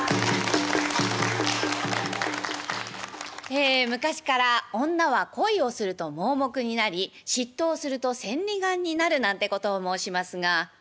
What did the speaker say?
ええ昔から「女は恋をすると盲目になり嫉妬をすると千里眼になる」なんてことを申しますが。